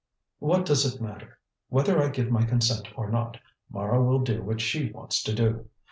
"What does it matter? Whether I give my consent or not, Mara will do what she wants to do.